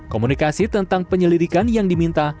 komunikasi tentang penyelidikan yang diminta